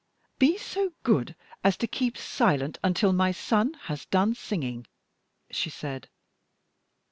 "Be so good as to keep silent until my son has done singing," she said.